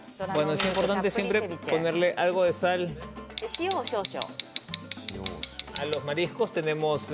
塩を少々。